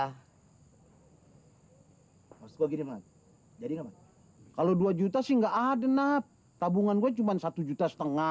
hai masuk ke gini jadi kalau dua juta sih enggak ada naf tabungan gue cuman satu juta setengah